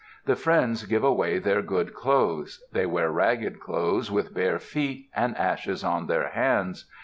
The friends give away their good clothes. They wear ragged clothes, with bare feet, and ashes on their hands.